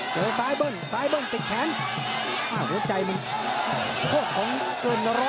เจอซ้ายเบิ้ลซ้ายเบิ้ลติดแขนอ้าวหัวใจมันโคกของเกินร้อย